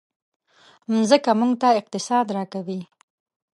مځکه موږ ته اقتصاد راکوي.